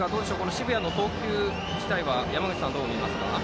澁谷の投球自体は山口さんはどう見ますか？